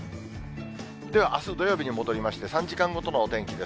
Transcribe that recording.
では、あす土曜日に戻りまして、３時間ごとのお天気です。